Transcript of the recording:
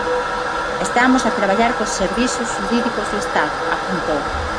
"Estamos a traballar cos servizos xurídicos do Estado", apuntou.